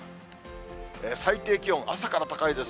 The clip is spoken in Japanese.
最低気温、朝から高いです。